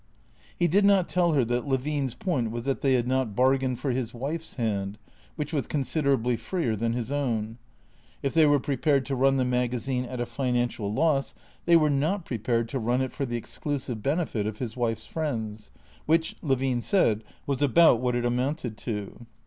He did not tell her that Levine's point was that they had not bargained for his wife's hand, which was considerably freer than his own. If they were prepared to run the magazine at a finan cial loss they were not prepared to run it for the exclusive benefit of his wife's friends; which, Levine said, was about what it amounted to.